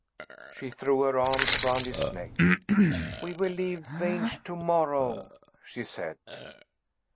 She threw her arms round his neck. "We will leave Vange to morrow," she said.